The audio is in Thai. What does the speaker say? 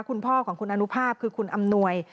คุณพ่อของคุณอนุภาพคือคุณอำนวย